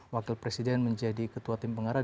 wakil presiden menjadi ketua tim pengarah